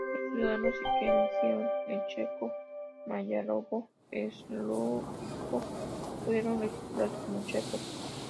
Los ciudadanos que eligieron el checo-moravo-eslovaco fueron registrados como checos.